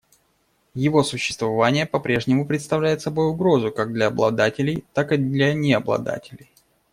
Его существование по-прежнему представляет собой угрозу как для обладателей, так и для необладателей.